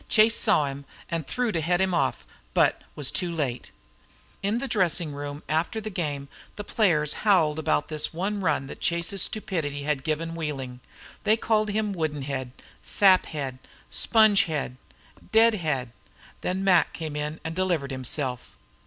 Chase saw him and threw to head him off, but was too late. In the dressing room after the game the players howled about this one run that Chase's stupidity had given Wheeling. They called him "wooden head," "sap head," "sponge head," "dead head." Then Mac came in and delivered himself.